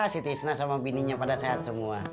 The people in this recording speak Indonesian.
si tisnak sama bininya pada sehat semua